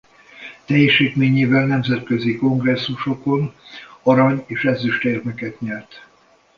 Teljesítményével nemzetközi kongresszusokon arany- és ezüstérmeket nyert.